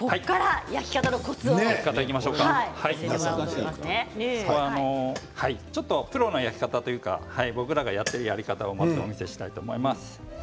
焼き方のコツをプロの焼き方というか僕らがやっているやり方をお見せしたいと思います。